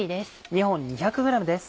２本２００ｇです。